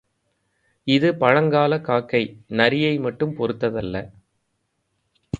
இது பழங்காலக் காக்கை, நரியை மட்டும் பொறுத்த தல்ல.